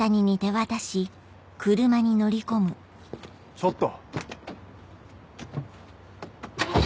ちょっと。